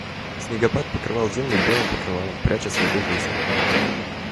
Снегопад покрывал землю белым покрывалом, пряча следы жизни.